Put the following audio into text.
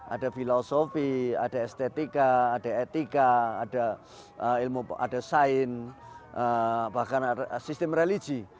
ada filosofi ada estetika ada etika ada ilmu ada sains bahkan ada sistem religi